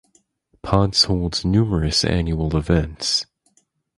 Ponce holds numerous annual events.